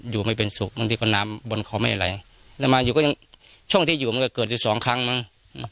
อยู่ไม่เป็นสุขบางทีก็น้ำบนเขาไม่ไหลแล้วมาอยู่ก็ยังช่วงที่อยู่มันก็เกิดอยู่สองครั้งมั้ง